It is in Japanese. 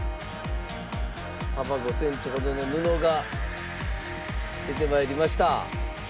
幅５センチほどの布が出て参りました。